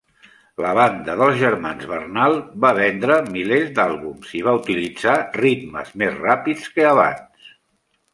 La banda dels germans Bernal va vendre milers d'àlbums i va utilitzar ritmes més ràpids que abans.